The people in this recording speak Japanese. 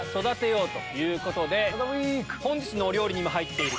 本日のお料理にも入っている。